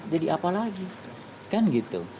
jadi apa lagi kan gitu